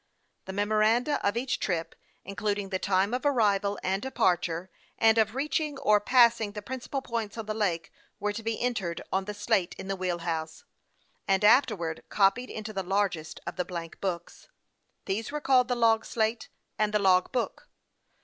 The memoranda of each trip, including the time of arrival and departure, and of reaching or passing the prin cipal points on the lake, were to be entered on the slate in the wheel house, and afterwards copied into the largest of the blank books. These were called the log slate and the log book.